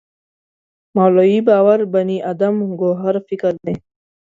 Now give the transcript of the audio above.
مولوی باور بني ادم ګوهر فکر دی.